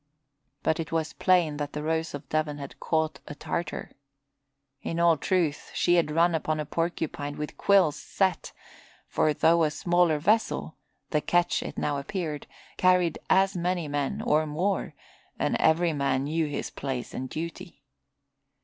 But it was plain that the Rose of Devon had caught a tartar. In all truth, she had run upon a porcupine with quills set, for though a smaller vessel, the ketch, it now appeared, carried as many men or more, and every man knew his place and duty.